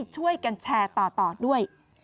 ช่วยกันแชร์ต่อด้วย